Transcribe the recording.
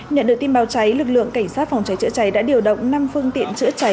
nhận được tin báo cháy lực lượng cảnh sát phòng cháy chữa cháy đã điều động năm phương tiện chữa cháy